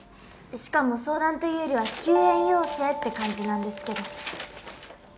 しかも相談というよりは救援要請って感じなんですけど。